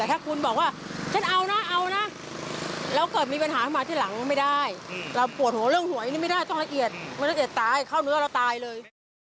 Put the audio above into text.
มันจะเอียดตายเข้าเนื้อแล้วตายเลย